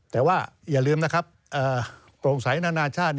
แต่ว่าอย่าลืมนะครับโปร่งใสนานาชาติ